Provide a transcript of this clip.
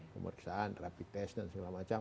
pemeriksaan rapid test dan segala macam